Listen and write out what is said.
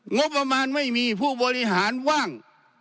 งบประมาณไม่มีผู้บริหารว่าง